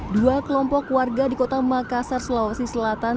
dua kelompok warga di kota makassar sulawesi selatan